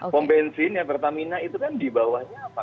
pembenzin yang pertamina itu kan dibawahnya apa